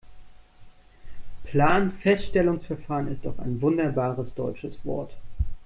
Planfeststellungsverfahren ist doch ein wunderbares deutsches Wort.